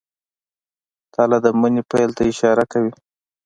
تله د مني پیل ته اشاره کوي.